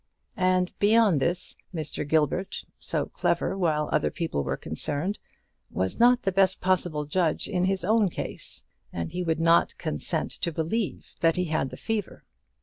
And, beyond this, Mr. Gilbert, so clever while other people were concerned, was not the best possible judge of his own case; and he would not consent to believe that he had the fever.